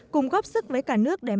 cùng góp sức với cả nước